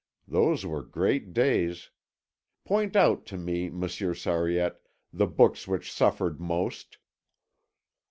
Those were great days! Point out to me, Monsieur Sariette, the books which suffered most."